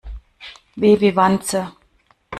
W wie Wanze.